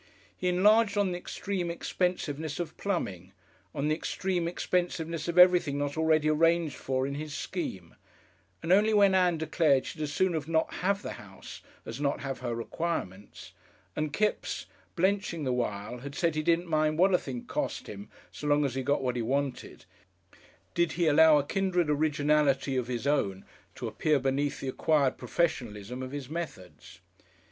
He enlarged on the extreme expensiveness of plumbing, on the extreme expensiveness of everything not already arranged for in his scheme, and only when Ann declared she'd as soon not have the house as not have her requirements, and Kipps, blenching the while, had said he didn't mind what a thing cost him so long as he got what he wanted, did he allow a kindred originality of his own to appear beneath the acquired professionalism of his methods.